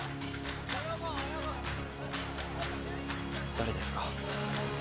誰ですか？